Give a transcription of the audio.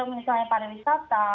misalnya para wisata